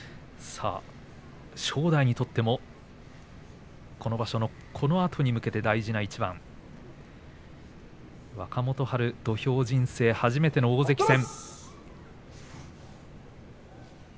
正代にとってもこの場所の、このあとに向けても大事な１番若元春、土俵人生初めての大関戦。